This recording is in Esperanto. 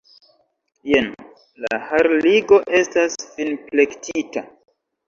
Jen, la harligo estas finplektita!